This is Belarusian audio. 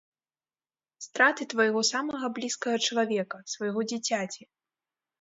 Страты твайго самага блізкага чалавека, свайго дзіцяці.